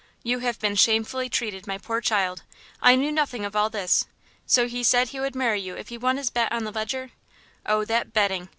"You have been shamefully treated, my poor child. I knew nothing of all this. So he said he would marry you if he won his bet on the Leger? Oh, that betting!